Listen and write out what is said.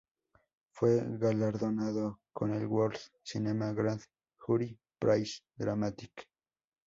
Fue galardonado con el World Cinema Grand Jury Prize: Dramatic.